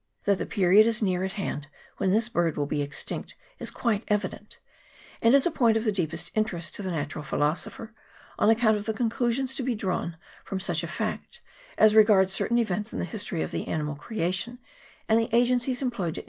That the period is near at hand when this bird will be extinct is quite evident, and is a point of the deepest interest to the natural philosopher, on ac count of the conclusions to be drawn from such a fact, as regards certain events in the history of the animal creation, and the agencies employed to CHAP.